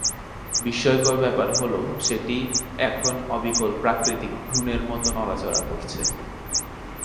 বিস্ময়কর ব্যাপার হলো, সেটি এখন অবিকল প্রাকৃতিক ভ্রূণের মতো নড়াচড়া করছে।